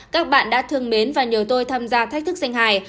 các bạn đã thương mến và nhờ tôi tham gia thách thức sinh hài